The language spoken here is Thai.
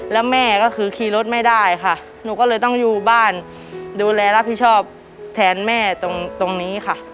แล้วแม่ก็คือขี่รถไม่ได้ค่ะหนูก็เลยต้องอยู่บ้านดูแลรับผิดชอบแทนแม่ตรงนี้ค่ะ